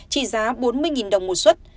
chỉ giá bốn mươi đồng một suất